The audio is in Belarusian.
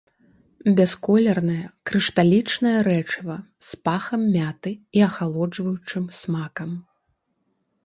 Бясколернае крышталічнае рэчыва з пахам мяты і ахалоджваючым смакам.